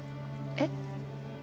えっ？